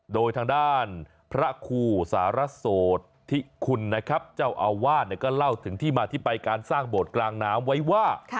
โดยทางด้านพระครูสารโสธิคุณนะครับเจ้าอาวาสก็เล่าถึงที่มาที่ไปการสร้างโบสถ์กลางน้ำไว้ว่า